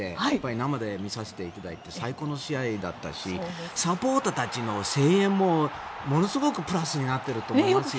生で見させていただいて最高の試合だったしサポーターたちの声援もものすごくプラスになっていると思いますよ。